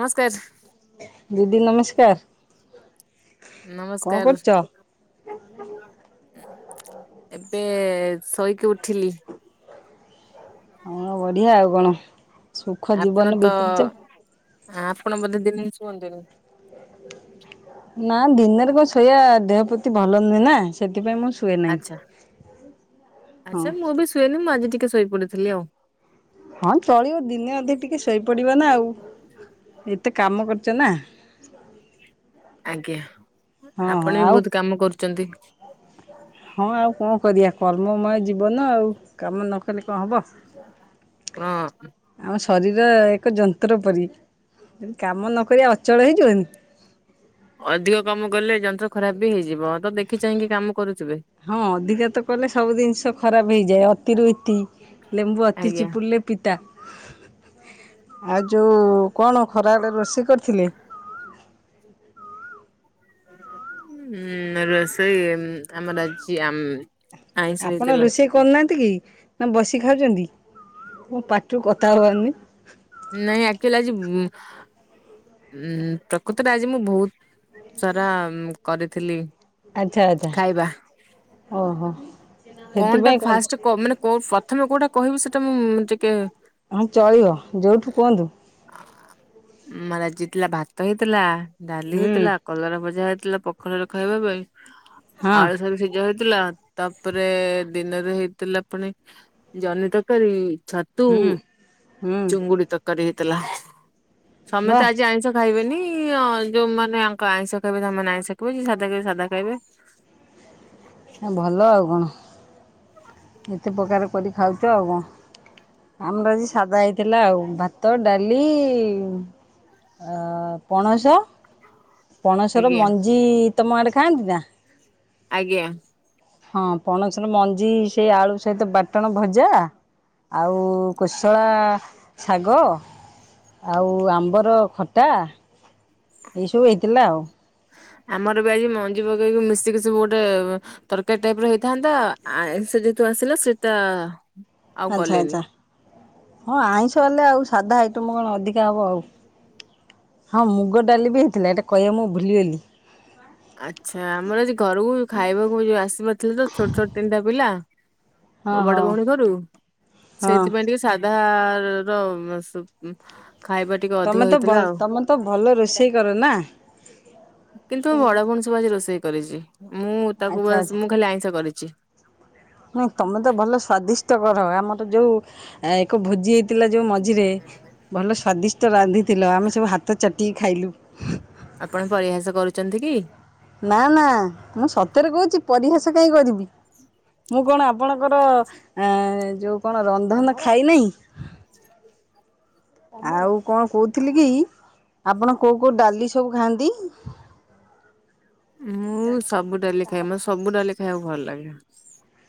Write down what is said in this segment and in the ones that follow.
ନମସ୍କାର। ଦିଦି, ନମସ୍କାର। କଣ ନମସ୍କାର। କରୁଛ? ଏବେ ଶୋଇକି ଉଠିଲି। ହଁ ବଢିଆ ଆଉ କଣ, ସୁଖ ଜୀବନ ବିତେଇଛ। ଆ ଆପଣ ବୋଧେ ଦିନରେ ଶୁଅନ୍ତିନି? ନା ଦିନରେ କଣ ଶୋଇବା ଦେହ ପ୍ରତି ଭଲ ନୁହେଁ ନା ସେଥିପାଇଁ ମୁଁ ସୋ ଆଚ୍ଛା ହଁ। ଆଚ୍ଛା ମୁଁ ବି ଶୁଏନି ମୁଁ ଆଜି ଟିକେ ଶୋଇପଡିଥିଲି ଆଉ। ହଁ ଚଳିବ ଦିନେ ଅଧେ ଟିକେ ଶୋଇପଡିବ ନା ଆଉ ଏତେ କାମ କରିଛ ନା। ଆଜ୍ଞା ହଁ ହଁ ଆପଣ ବି ଆଉ ବହୁତ କାମ କରୁଛନ୍ତି। ହଁ ଆଉ କଣ କରିବା କର୍ମମୟ ଯିବନ ଆଉ କାମ ନକଲେ କଣ ହବ। ସ [inaudible] ହଁ। ଆମ ଶରୀର ଏକ ଯନ୍ତ୍ର ପରି ଯଦି କାମ ନକରିବା ଅଚଳ ହେଇଯିବନି ଅଧିକ କାମ କଲେ ଯନ୍ତ୍ର ଖରାପ ବି ହେଇଯିବ ତ ଦେଖି ଚାହିଁକି କାମ କରୁଥିବେ। ହଁ ଅଧିକା ତ କଲେ ସବୁ ଜିନିଷ ଖରାପ ହେଇଯାଏ। ଅତି ରୁ ଇତି ଲେମ୍ବୁ ଅତି ଆଜ୍ଞା। ଚିପୁଡ଼ିଲେ ପିତା। ଆଉ ଯୋଉ କଣ ଖରାବେଳେ ରୋଷେଇ କରିଥିଲେ? ହଁ ରୋଷେଇ ଆମର ଅଛି ଆମ୍ ଆପଣ ରୋଷେଇ କରୁନାହାଁନ୍ତି କି ନା ବସି ଖାଉଛନ୍ତି କଣ ପାଟିରୁ କଥା ବାହାରୁନି। ନାଇଁ ଆକଚୁଆଲି ଆଜି ଉଁ ପ୍ରକୃତରେ ଆଜି ମୁଁ ବହୁତ ସାରା କରିଥିଲି ଆଚ୍ଛା ଆଚ୍ଛା ଖାଇବା ଓହୋ। କଣଟା ଫାଷ୍ଟ କ ମାନେ ପ୍ରଥମେ କୋଉଟା କହିବି ସେଟା ମୁଁ ଟିକେ ହଁ ଚଳିବ ଯୋଉଠୁ କୁହନ୍ତୁ। ମ ଆଜି ଭାତ ହେଇଥିଲା ଡାଲି ହୁଁ ହେଇଥିଲା। କଲରା ଭଜା ହେଇଥିଲା ପଖାଳରେ ଖାଇବା ପାଇଁ ହଁ ଆଳୁ ସାରୁ ସିଝା ହେଇଥିଲା ତା ତାପରେ ଦିନରେ ହେଇଥିଲା ପୁଣି ଜହ୍ନି ତରକାରୀ। ଛତୁ ହୁଁ। ହୁଁ ଚୁଙ୍ଗୁଡି ତରକାରୀ ହେଇଥିଲା। ବା ସମେତେ ଆଜି ଆଇସ ଖାଇବେନି ଯୋଉମାନେ ଆଙ୍କ ଆଇଁଷ ଖାଇବେ ସେମାନେ ଆଇଁଷ ଖାଇବେ ଯିଏ ସାଧା ଖାଇବେ ସାଧା ଖାଇବେ। ଭଲ ଆଉ କଣ ଏତେ ପ୍ରକାର କରି ଖାଉଛ ଆଉ କଣ। ଆମର ଆଜି ସାଧା ହେଇଥିଲା ଆଉ ଭାତ ଡାଲି ଅ ପଣସ ପଣସର ଆଜ୍ଞା ମଞ୍ଜି ତମ ଆଡେ ଖାଆନ୍ତି ନା? ଆଜ୍ଞା। ହଁ ପଣସର ମଞ୍ଜି ସେଇ ଆଳୁ ସହିତ ବାଟଣ ଭଜା। ଆଉ କୋଶଳା ଶାଗ। ଆଉ ଆମ୍ବର ଖଟା ଏଇ ସବୁ ହେଇଥିଲା ଆଉ। ଆମର ବି ଆଜି ମଞ୍ଜି ପକେଇକି ମିଶିକି ସବୁ ଗୋଟେ ତରକାରୀ ଟାଇପ୍ ର ହେଇଥାନ୍ତା ଆଇଁଷ ଯେହେତୁ ଆସିଲା ସେଟା ଆଉ ଆଚ୍ଛା କଲେନି। ଆଚ୍ଛା ହଁ ଆଇଁଷ ହେଲେ ଆଉ ସାଧା ଆଇଟମ୍ କଣ ଅଧିକା ହବ ଆଉ। ହଁ ମୁଗ ଡାଲି ବି ହେଇଥିଲା ଏଟା କହିବା ମୁଁ ଭୁଲିଗଲି। ଆଚ୍ଛା ଆମର ଆଜି ଘରୁକୁ ଖାଇବାକୁ ଯୋଉ ଆସିବାର ଥିଲା ତ ଛୋଟ ଛୋଟ ତିନିଟା ପିଲା। ହଁ ମୋ ବଡ଼ ହଁ। ଭଉଣୀ ଘରୁ ହଁ ସେଇଥିପାଇଁ ଟିକେ ସାଧାର ସ ଖାଇବା ଟିକେ ଅଧିକ ତମେ ତ ଭ ହେଇଥିଲା ଆଉ ତମେ ତ ଭଲ ରୋଷେଇ କର ନାଁ। କିନ୍ତୁ ମୋ ବଡ଼ ଭଉଣୀ ସବୁ ଆଜି ରୋଷେଇ କରିଚି ମୁଁ ତାକୁ ଆଚ୍ଛା ବାସ୍ ମୁଁ ଖାଲି ଆଇଁଷ କରିଚି। ହଁ ତମେ ତ ଭଲ ସ୍ଵାଦିଷ୍ଟ କର ଆମର ଯୋଉ ଆ ଏକ ଭୋଜି ହେଇଥିଲା ଯୋଉ ମଝିରେ ଭଲ ସ୍ଵାଦିଷ୍ଟ ରାନ୍ଧି ଥିଲ ଆମେ ସବୁ ହାତ ଚାଟିକି ଖାଇଲୁ। ଆପଣ ପରିହାସ କରୁଚନ୍ତି କି? ନାଁ ନାଁ ମୁଁ ସତରେ କହୁଚି ପରିହାସ କାଇଁ କରିବି? ମୁଁ କଣ ଆପଣଙ୍କର ଅଁ ଯଉ କଣ ରନ୍ଧନ ଖାଇ ନେଇ? ଆଉ କଣ କହୁଥିଲି କି ଆପଣ କୋଉ କୋଉ ଡାଲି ସବୁ ଖାଆନ୍ତି? ଉଁ ମୁଁ ସବୁ ଡାଲି ଖାଏ ମତେ ସବୁ ଡାଲି ଖାଇବାକୁ ଭଲ ଲାଗେ।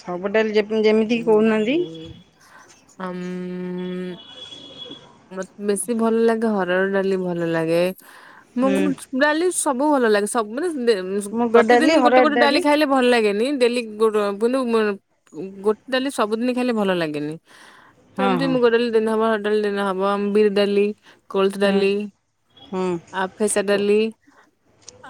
ସବୁ ଡାଲି ଯେ ଯେମିତି କି କହୁନାହାନ୍ତି। ଅମ୍ ମ ବେଶୀ ଭଲ ଲାଗେ ହରଡ଼ ଡାଲି ଭଲ ଲାଗେ ମୁଁ ହୁଁ ଉ ଡାଲି ସବୁ ଭଲ ଲାଗେ ସ ମାନେ ଦେ ମୁଗ ଡାଲି ପ୍ରତିଦିନ ଗୋଟେ ହରଡ଼ ଗୋଟେ ଡାଲି ଖାଇଲେ ଭଲ ଲାଗେନି ଦେଲି ଗୁଡ଼ ବୋଲୁ ମୁ ଉଁ ଗୋଟେ ଡାଲି ସବୁ ଦିନି ଖାଇଲେ ଭଲ ଲାଗେନି। ତ ହଁ ଏମତି ମୁଁ ହଁ ମୁଗ ଡାଲି ଦିନେ ହବ ହରଡ଼ ଡାଲି ଆଜି ହବ ଅମ ବିରି ଡାଲି କୋଳଥ ହୁଁ ଡାଲି ହୁଁ ଆଉ ଫେସା ଡାଲି।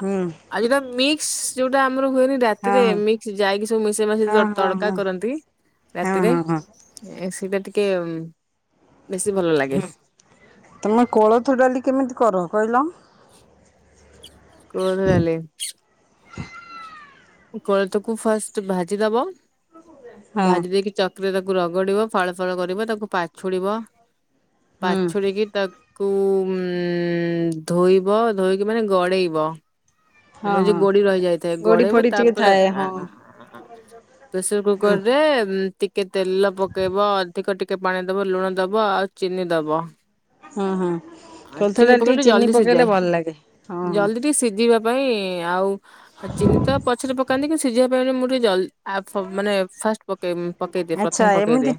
ହୁଁ ଆଉ ଯୋଉଟା ମିକ୍ସ ଯୋଉଟା ଆମର ହୁଏନି ହଁ ରାତିରେ ହଁ ମିକ୍ସ ଯାଇକି ସବୁ ମିଶେଇ ମାଶେଇ ହଁ ଯ ହଁ ତଡ଼କା ହଁ କରନ୍ତି ହଁ ରାତିରେ ହଁ ହଁ ଏଁ ସେଇଟା ଟିକେ ବେଶୀ ଭଲ ଲା ହୁଁ ତମେ କୋଳଥ ଡାଲି କେମିତି କର କହିଲ? କୋଳଥ ଡାଲି। କୋଳଥକୁ ଫାଷ୍ଟ୍ ଭାଜି ଦବ ହଁ ଭାଜି ଦେଇକି ଚ ତୁ ଏ ତାକୁ ରଗଡି଼ବ ଫାଳ ଫାଳ କରିବ ତାକୁ ପାଛୁଡି଼ବ ହୁଁ ପାଛୁଡି଼କି ତାକ୍ କୁ ଉଁ ଧୋଇବ ଧୋଇକି ମାନେ ଗଡ଼େଇବ। ଆଉ ହଁ ନୁହଁ ଯେ ହଁ ଗୋଡ଼ି ରହି ଯାଇଥାଏ ଗୋଡି ଗଡ଼େଇବ ଫୋଡି ଟିକେ ତାପରେ ଥାଏ ହଁ। ଆ-ଆ-ଆ-ଆ ପ୍ରେସର୍ ହୁଁ କୁକର୍ ରେ ଉଁ ତି କେ ତେଲ ପକେଇବ ଅଧିକ ଟିକେ ପାଣି ଦବ ଲୁଣ ଦବ ଆଉ ଚିନି ଦ୍ବିତୀୟ। ହଁ ହଁ କୋଳଥ ଡାଲ ଟିକେ ପକେଇଲେ ଚିନି ପକେଇଲେ ଭଲ ଲାଗେ। ଟି ସିଜିବା ପାଇଁ ଆଉ ଆ ଚିନି ତ ପଛରେ ପକାନ୍ତି କିନ୍ତୁ ସିଜିବା ପାଇଁ ନେ ମୁଁ ଟିକେ ଜଲ୍ ଆଉ ଫ ମାନେ ଫାଷ୍ଟ ପକେଇ ପକେଇଦେ ଆଚ୍ଛା ପ୍ରଥମେ ପକେଇଦେ।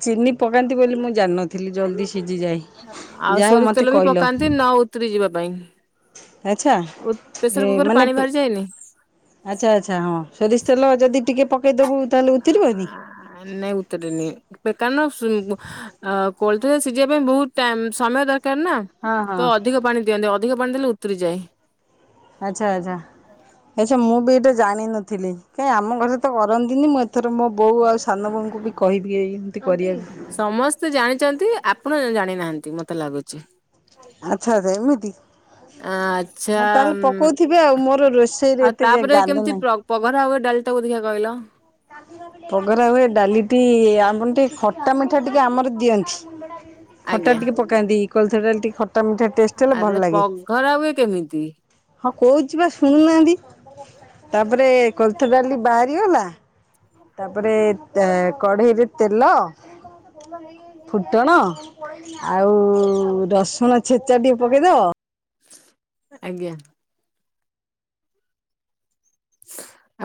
ଥିଲି ଜଲଦି ସିଜିଯାଏ ଯାହା ହଉ ମତେ କହିଲ। ତି ନ ଉତରି ଯିବା ପାଇଁ ଆଚ୍ଛା ଉ ଏ ପ୍ରେସର କୁକରରୁ ମାନେ ପାଣି ବାହାରିଯାଏନି। ଆଚ୍ଛା ଆଚ୍ଛା ହଁ ସୋରିଷ ତେଲ ଯଦି ଟିକେ ପକେଇଦବୁ ତାହେଲେ ଉତୁରିବନି? ନାଇଁ ଉତ୍ ତଡିନି ପେ କାନ ଶୁନ୍ ବ ଅ କୋଳଥଟା ସିଝିବା ପାଇଁ ବହୁତ ଟାଇମ୍ ସମୟ ଦରକାର ନା। ହଁ ହଁ ତ ଅଧିକ ପାଣି ଦିଅନ୍ତି ଅଧିକ ପାଣି ଦେଲେ ଉତୁରିଯାଏ। ଆଚ୍ଛା ଆଚ୍ଛା ଆଚ୍ଛା ମୁଁ ବି ଏଇଟା ଜାଣିନଥିଲି କାହିଁ ଆମ ଘରେ ତ କରନ୍ତିନି ମୁଁ ଏତ୍‌ ଥର ମୋ ବୋଉ ଆଉ ସାନ ବୋଉଙ୍କୁ ବି କହିବି ଏଇମିତି କରିବାକୁ। ସମସ୍ତେ ଜାଣିଚନ୍ତି ଆପଣ ଅ ଜାଣିନାହାନ୍ତି ମତେ ଲାଗୁଚି। ଆଚ୍ଛା ଆଚ୍ଛା ଏମିତି? ଚ୍ଛା ହଁ ତାହେଲେ ପକଉଥିବେ ଆଉ ଉମ୍ ମୋର ରୋଷେଇରେ ଆଉ ଏତେ ତାପରେ ଜ୍ଞାନ କେମତି ନାହିଁ। ପ୍ର ପଘରା ହୁଏ ଡାଲ୍‌ ଟାକୁ ଦେଖିଆ କଇଲ। ପଘରା ହୁଏ ଡାଲିଟି ଆପନ୍‌ ଟିକେ ଖଟା ମିଠା ଟିକେ ଆମର ଦିଅନ୍ତି। ଖଟା ଆଜ୍ଞା ଟିକେ ପକାନ୍ତି କୋଳଥଡାଲ୍ ଟିକେ ଖଟା ମିଠା ଟେଷ୍ଟ ହେଲେ ଭଲ ଆଗେ ଲାଗେ। ପଘରା ହୁଏ କେମିତି? ହଁ କହୁଚି ବା ଶୁଣୁନାହାନ୍ତି ତାପରେ କୋଳଥ ଡାଲି ବାହାରିଗଲା ତାପରେ ତେ କଢେଇରେ ତେଲ ଫୁଟଣ ଆଉ ରସୁଣ ଛେଚା ଟିକେ ପକେଇଦବ। ଆଜ୍ଞା।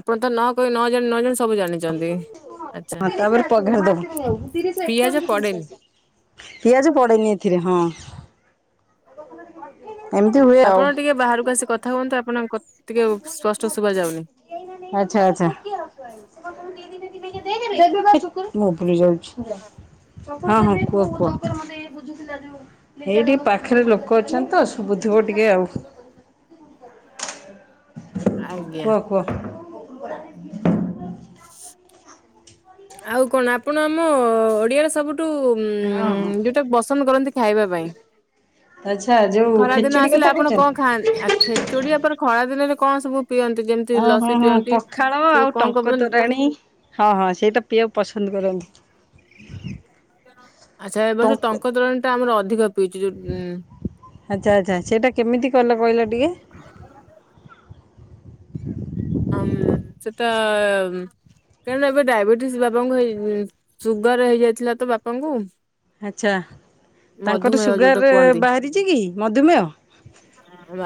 ଆପଣ ତ ନ କହି ନ ଜାଣି ନ ଜାଣି ସବୁ ଜାଣିଚନ୍ତି। ହଁ ତା ପରେ ପଘାରି ପିଆଜ ପଡେନି ଦବ। ପିଆଜ ପଡେନି ଏଥିରେ ହଁ। ଏମିତି ହୁଏ ଆଉ। ଆପଣ ଟିକେ ବାହାରକୁ ଆସି କଥା ହୁଅନ୍ତୁ ଆପଣଙ୍କ କଥ୍ ଟିକେ ସ୍ପଷ୍ଟ ଶୁଭାଯାଉନି। ଆଚ୍ଛା ଆଚ୍ଛା [inaudible] ହଁ ହଁ। କୁହ କୁହ ଏଇଠି ପାଖେରେ ଲୋକ ଅଛନ୍ତି ତ ସୁବୁଧିବ ଟିକେ ଆଉ। ଆଜ୍ଞା। କୁଅ। ଆଉ କଣ୍ ଆପଣ ଆମ ଓଡିଆର ସବୁଠୁ ହଁ ହଁ ଯେଉଁଟା ପସନ୍ଦ କରନ୍ତି ଖାଇବା ପାଇଁ? ଆଚ୍ଛା ଆ ଖରା ଦିନ ଆସିଲେ ଆପଣ କଣ୍ ଖାଆନ୍ତି ଆ ଖେଚୁଡି ଆପଣ ଖରା ଦିନରେ କଣ୍ ସବୁ ପିଅନ୍ତି ଯେମିତି ଓ ହୋଁ ଲସି ହଁ ପିଅନ୍ତି? ପଖାଳ ସବୁ ଆଉ କଣ ଟଙ୍କ କଣ ତୋରାଣୀ ହଁ ହଁ ସେଇଟା ପିଇବାକୁ ପସନ୍ଦ କରନ୍ତି। ଆଚ୍ଛା ଏ ବର୍ଷ ଟଙ୍କ ତେରାଣୀ ଟା ଆମର ଅଧିକ ପିଇଚୁ ଯୋଉ ଉଁ ଆଚ୍ଛା ଆଚ୍ଛା ସେଇଟା କେମିତି କଲ କହିଲ ଟିକେ? ଆଁମ୍ ସେଟା କାରଣ ଏବେ ଡାଇବେଟିସ ବାପାଙ୍କୁ ହେଇ ସୁଗାର ହେଇଯାଇଥିଲା ତ ବାପାଙ୍କୁ। ଆଚ୍ଛା ତାଙ୍କର ମଧୁମେହ ଯୋଉଟା ସୁଗାର କୁହନ୍ତି। ବାହାରିଚିକି ମଧୁମେୟ?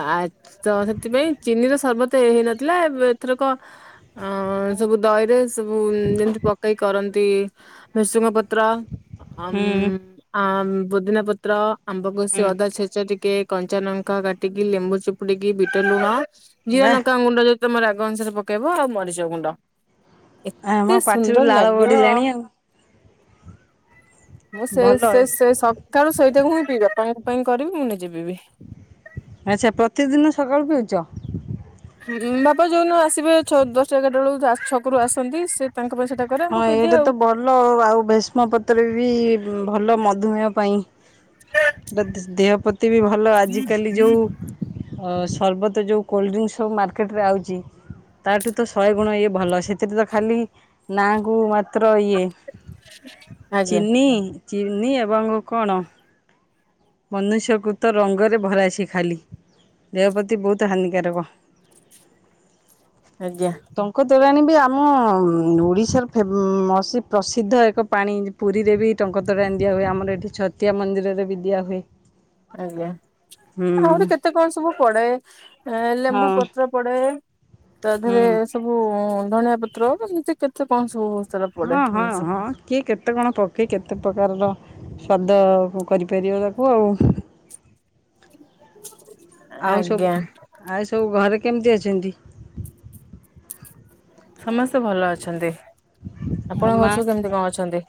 ଆ ତ ସେଥିପାଇଁ ଚିନି ର ସର୍ବତ ହେଇନଥିଲା ଏଥରକ ଅ ସବୁ ଦହିରେ ସବୁ ଯେମିତି ପକେଇ କରନ୍ତି ଭେସୁଙ୍ଗ ପତ୍ର ଆମ୍ ହୁଁ ଆମ୍ ପୁଦିନା ପୁତ୍ର ଆମ୍ବ ହୁଁ କସିି ଅଦା ଛେଚା ଟିକେ କଞ୍ଚା ନଙ୍କା କାଟିକି ଲେମ୍ବୁ ଚିପୁଡିକି ବିଟ ଲୁଣ ଜିରା ବା ଲଙ୍କା ଗୁଣ୍ଡ ଯି ତମର ରା ଗ ଅନୁସାରେ ପକେଇବ ଆଉ ମରିଚ ଗୁଣ୍ଡ। ଆମ ଏତେ ପାଟିରୁ ସୁନ୍ଦର ଲାଳ ଲାଗିବ। ଗଡିଲାଣି ଆଉ। ମୁଁ ସେ ଭଲ ସେ ସେ ସବ୍ କାର ସହିତକୁ ହଁ ପିଇବାପାଙ୍କ ପାଇଁ କରିବି ମୁଁ ନିଜେ ପିଇବି। ଆଛା ପ୍ରତିଦିନ ସକାଳୁ ପିଉଛ? ହୁଁ ବାପା ଯୋଉଦି ଆସିବେ ଛ ଦଶଟା ଏାରଟା ବେଳକୁ ଛକରୁ ଆସନ୍ତି। ସେ ତାଙ୍କ ପାଇଁ ସେଟା କରେ ହଁ ମୁଁ ପିଇଦିଏ ଏଇଟା ଆଉ। ତ ଭଲ ଆଉ ଭୀଷ୍ମ ପତ୍ର ବି ଭଲ ମଧୁମେୟ ପାଇଁ ଟ ଦେହ ପ୍ରତି ବି ଭଲ ଆଜିକାଲି ଯୋଉ ସର୍ବତ ଯେଉଁ କୋଲଡ୍ରିଙ୍କ ସବୁ ମାର୍କେଟେ ରେ ଆଉଛି। ତା ଠୁ ତ ଶହେ ଗୁଣ ଇଏ ଭଲ। ସେଥିରେ ତ ଖାଲି ନାକୁ ମାତ୍ର ଇଏ ଆଜ୍ଞା ଚିନି ଚିନି ଏବଂ କଣ? ମନୁଷ୍ୟକୁୃ ତ ରଙ୍ଗରେ ଭରାସି ଖାଲି। ଦେହ ପ୍ରତି ବହୁତ ହାନିକାରକ। ଆଜ୍ଞା। ଢଙ୍କ ତୋରାଣୀ ବି ଆମ ଓଡ଼ିଶାର ଫେ ପ୍ରସିଦ୍ଧ ଏକ ପାଣି। ପୁରୀରେ ବି ଢଙ୍କତେ ଟାଣି ଦିଆ ହୁଏ। ଆମର ଏଠି ଛତିଆ ମନ୍ଦିରରେ ବି ଦିଆ ହୁଏ। ଆଜ୍ଞା ହୁଁ ଆହୁରି କେତେ କଣ୍ ସବୁ ପଡେ ହଁ ଲେମ୍ବୁ ପତ୍ର। ପଡେ ତା ଦେହରେ ହୁଁ ସବୁ ଧଣିଆ ପତ୍ର କେମିତି କେତେ କଣ ସବୁ ସାରା ପଡେ ହଁ ହଁ ଜିନିଷ। ହଁ କିଏ କେତେ କଣ ପକ୍ଷୀ କେତେ ପ୍ରକାରର ସ୍ଵାଦ କରିପାରିବା ତାକୁ ଆଉ। ଆଉ ଆଜ୍ଞା। ସବୁ ଆଉ ସବୁ ଘରେ କେମିତି ଅଛନ୍ତି? ସମସ୍ତେ ଭଲ ଅଛନ୍ତି ଆଉ ଆପଣଙ୍କ ମା ଘର ସବୁ କେମିତି କଣ୍ ଅଛନ୍ତି?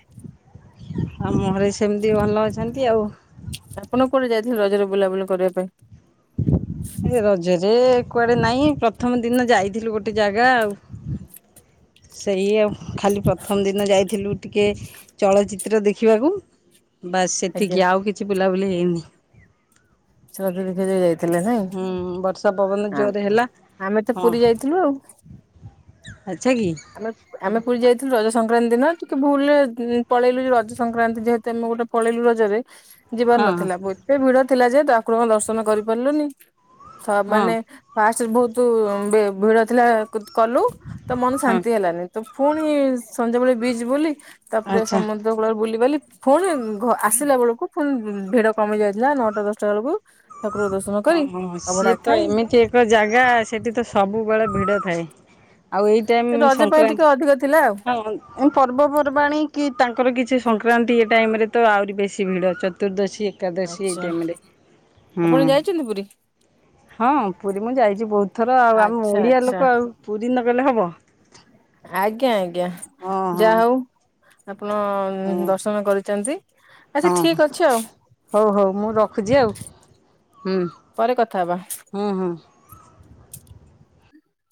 ଆମ ଘରେ ସେମତି ଭଲ ଅଛନ୍ତି ଆଉ। ଆପଣ କୋଉଠି ଯାଇଥିଲେ ରଜରେ ବୁଲାବୁଲି କରିବା ପାଇଁ? ରଜରେ କୁଆଡେ ନାଇଁ ପ୍ରଥମ ଦିନ ଯାଇଥିଲୁ ଗୋଟେ ଜାଗା ଆଉ। ସେଇ ଆଉ। ଖାଲି ପ୍ରଥମ ଦିନ ଯାଇଥିଲୁ ଟିକିଏଚଳଚିତ୍ର ଦେଖିବାକୁ। ବାସ୍ ଆଜ୍ଞା ସେତିକି ଆଉ କିଛି ବୁଲାବୁଲି ହେଇନି। ରଥଯାତ୍ରା ଯାଇଥିଲେ ହୁଁ ବର୍ଷା ପବନ ନାଇଁ ଜୋରେ ଆମେ ତ ପୁରୀ ଯାଇଥିଲୁ ଆଉ। ଆଛା କି? ଆମେ ଆମେ ହଁ ପୁରୀ ଯାଇ ରଜ ସଂକ୍ରାନ୍ତି ଦିନ ଟିକିଏଭୁଲ୍ ପଳେଇଲୁ ଯେ ରଜ ସଂକ୍ରାନ୍ତି ଯେହେତୁ ଆମେ ଗୋଟେଏ ପଳେଇଲୁ ରଜରେ। ଯିବାର ହଁ ନଥିଲା ଏତେ ଭିଡ ଥିଲା ଯେ ଠାକୁରଙ୍କଦର୍ଶନ କରିପାରିଲୁନି। ହଁ ମାନେ ଫାଷ୍ଟ ବହୁତ ଭିଡ ଥିଲା। କଲୁ ତ ମ ହଁ। ତି ହେଲାନି ତ ପୁଣି ସନ୍ଧ୍ୟାବେେଳେ ବିଚ୍ ବୁଲି ତାପରେ ଆଚ୍ଛା ସମୁଦ୍ର ବୁଲି ବାଲି ପୁଣି ଆସିଲା ବେଳକୁ ପୁଣି ଭିଡ କମି ଯାଇଥିଲା ନଅଟା ଦଶଟା ବେଳକୁ। ଠାକୁର ଦର୍ଶନ ହଁ କରି ହଁ ଆଉ ସିଏ ଅଭଡା ତ ଖାଇ ଏମିତି ଏକ ଜାଗା ସେଠି ତ ସବୁବେଳେ ଭିଡ ଥାଏ। ଆଉ ଏଇ ଟାଇମ୍ ରଜ ପାଇଁ ଟିକେ ସଂକ୍ରାନ୍ତି ଅଧିକ ଥିଲା ଆଉ। ହଁ। ଏ ପର୍ବପର୍ବାଣୀ କି ତାଙ୍କର କିଛି ସଂକ୍ରାନ୍ତି ଏ ଟାଇମ୍ ରେ ତ ଆହୁରି ବେଶୀ ଭିଡ଼। ଚତୁର୍ଦ୍ଦଶୀ ଏକାଦଶୀ ଏଇ ଆଚ୍ଛା। ଟାଇମ୍ ରେ। ଆପଣ ଯାଇଛନ୍ତି ପୁରୀ? ହଁ ପୁରୀ ମୁଁ ଯାଇଛି ବହୁତ ଥର। ଆଉ ଆମ ଆଚ୍ଛା ଓଡ଼ିଆ ଆଚ୍ଛା। ଲୋକ ଆଉ ପୁରୀ ନଗଲେ ହେବ। ଆଜ୍ଞା ଆଜ୍ଞା। ହଁ ହଁ ଯା ହଉ। ଆପଣ ହଁ ଦର୍ଶନ କରିଛନ୍ତି? ଆଚ୍ଛା ହଁ ଠିକ ଅଛି ଆଉ ହଉ ହଉ ମୁଁ ରଖୁଛି ଆଉ ହୁଁ। ପରେ କଥା ହବା। ହୁଁ ହୁଁ।